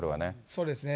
そうですね。